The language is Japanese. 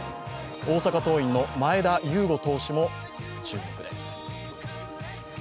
大阪桐蔭の前田悠伍投手も注目です。